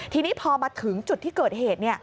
ทีนี้พอมาถึงจุดที่เกิดเหตุ